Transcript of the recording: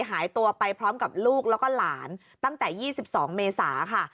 หายตัวไปพร้อมกับลูกแล้วก็หลานตั้งแต่๒๒เมษาค่ะ